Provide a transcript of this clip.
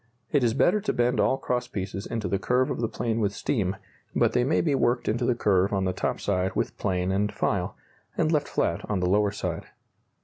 It is better to bend all cross pieces into the curve of the plane with steam, but they may be worked into the curve on the top side with plane and file, and left flat on the lower side.